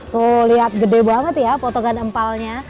tuh lihat gede banget ya potongan empalnya